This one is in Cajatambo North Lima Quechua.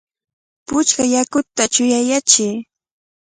¡Puchka yakuta chuyayachiy!